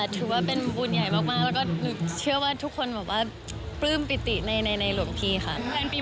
ถือว่ะเป็นบุญใหญ่มากแล้วก็เชื่อว่าทุกคนบริปริติในหลวงพี่และพี่